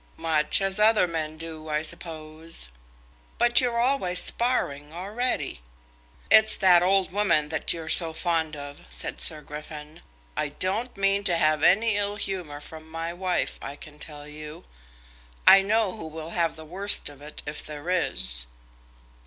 "Much as other men do, I suppose." "But you're always sparring, already." "It's that old woman that you're so fond of," said Sir Griffin. "I don't mean to have any ill humour from my wife, I can tell you. I know who will have the worst of it if there is."